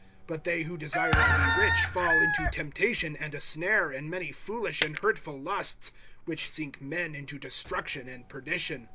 (9)But they who desire to be rich fall into temptation and a snare, and many foolish and hurtful lusts, which sink men into destruction and perdition.